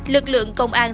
lực lượng công an